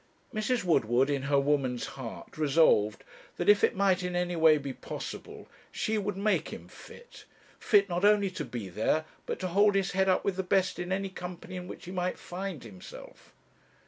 Mrs. Woodward, in her woman's heart, resolved, that if it might in any way be possible, she would make him fit, fit not only to be there, but to hold his head up with the best in any company in which he might find himself.